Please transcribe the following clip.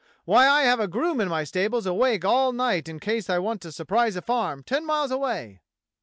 Why, I have a groom in my stables awake all night in case I want to surprise a farm ten miles away.